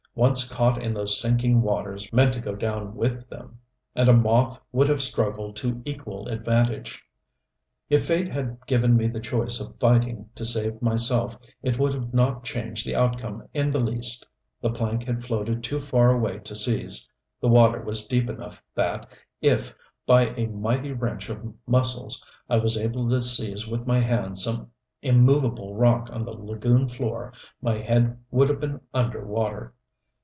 Once caught in those sinking waters meant to go down with them; and a moth would have struggled to equal advantage. If fate had given me the choice of fighting to save myself it would not have changed the outcome in the least. The plank had floated too far away to seize. The water was deep enough that if, by a mighty wrench of muscles, I was able to seize with my hands some immovable rock on the lagoon floor my head would have been under water.